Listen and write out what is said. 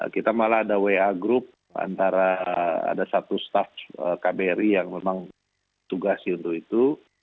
kita malah ada wa group antara ada satu staff kbri yang memang tugasnya untuk itu